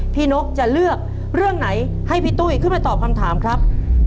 นกจะเลือกเรื่องไหนให้พี่ตุ้ยขึ้นมาตอบคำถามครับ